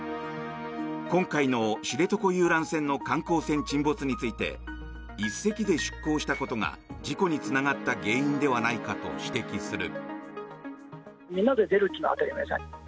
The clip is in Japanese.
今回の知床遊覧船の観光船沈没について１隻で出港したことが事故につながった原因ではないかと指摘する。